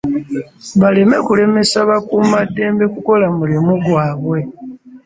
Baleme kulemesa bakuumaddembe kukola mulimu gwabwe.